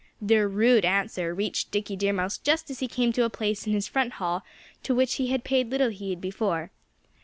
Their rude answer reached Dickie Deer Mouse just as he came to a place in his front hall to which he had paid little heed before.